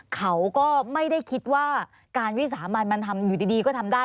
เขาก็ไม่ได้คิดว่าการวิสามันมันทำอยู่ดีก็ทำได้